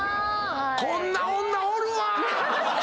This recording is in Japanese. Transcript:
こんな女おるわ！